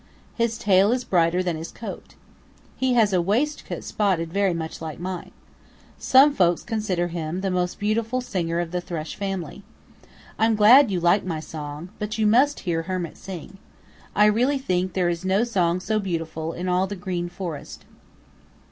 His tail is brighter than his coat. He has a waistcoat spotted very much like mine. Some folks consider him the most beautiful singer of the Thrush family. I'm glad you like my song, but you must hear Hermit sing. I really think there is no song so beautiful in all the Green Forest."